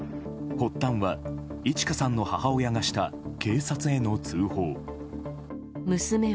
発端は、いち花さんの母親がした警察への通報。